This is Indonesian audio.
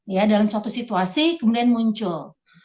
ya dalam suatu situasi kemudian muncul